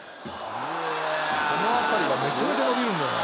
「この当たりがめちゃめちゃ伸びるんだよね」